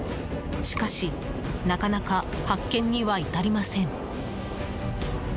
しかしなかなか発見には至りません。